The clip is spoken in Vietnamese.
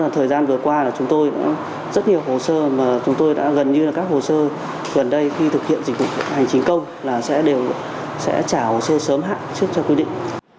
thời gian vừa qua chúng tôi đã gần như các hồ sơ gần đây khi thực hiện dịch vụ hành chính công sẽ trả hồ sơ sớm hạn trước cho quy định